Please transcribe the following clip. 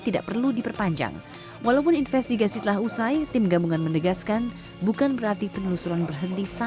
tidak perlu diperkirakan untuk mencari fakta